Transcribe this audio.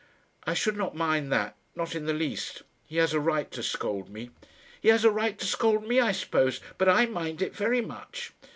"I should not mind that not in the least. He has a right to scold me." "He has a right to scold me, I suppose; but I mind it very much."